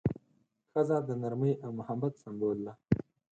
ښځه د نرمۍ او محبت سمبول ده.